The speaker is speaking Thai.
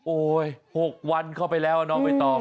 โอ้ยหกวันเข้าไปแล้วอ่ะน้องเบตอม